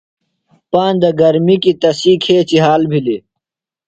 پاندہ گرمی کیۡ تسی کھیچیۡ حال بِھلیۡ۔